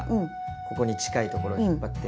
ここに近いところを引っ張って。